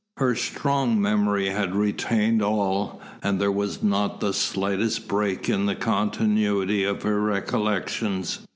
Her strong memory had retained all, and there was not the slightest break in the continuity of her recollections.